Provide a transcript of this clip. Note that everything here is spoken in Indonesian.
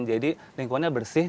jadi lingkungannya bersih